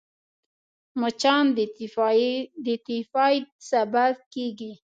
مچان د تيفايد سبب کېږي